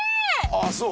ああそう。